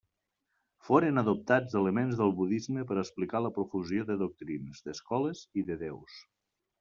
Foren adoptats elements del budisme per explicar la profusió de doctrines, d'escoles i de déus.